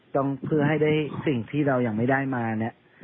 เพื่อให้ได้สิ่งที่เรายังไม่ได้มาเนี่ย